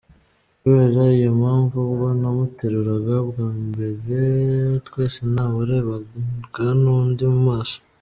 Kubera iyo mpamvu, ubwo namuteruraga bwa mbere, twese ntawarebanaga n’undi mu maso.